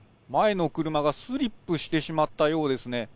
前の車がスリップしてしまったようですね。